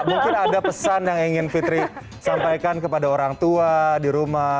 mungkin ada pesan yang ingin fitri sampaikan kepada orang tua di rumah